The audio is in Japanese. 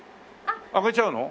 あげちゃうの？